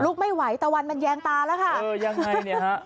ไม่ไหวตะวันมันแยงตาแล้วค่ะเออยังไงเนี่ยฮะ